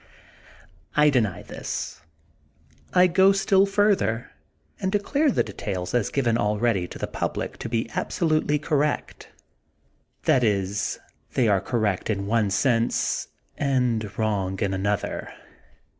I deny this; I go still further, and de clare the details as given already to the public to be absolutely correct, ŌĆö that is. Dr. Jekyll and Mr. Hyde. 5 they are correct in one sense and wrong in another.